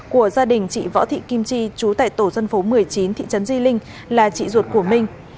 của gia đình chị võ thị kim chi chú tại tổ dân phố một mươi chín thị trấn di linh là chị ruột của minh